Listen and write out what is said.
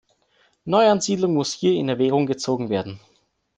Neuansiedlung muss hier in Erwägung gezogen werden.